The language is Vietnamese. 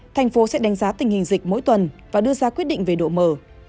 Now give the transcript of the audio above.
thành phố sẽ đánh giá tình hình dịch mỗi tuần và đưa ra quyết định về độ mở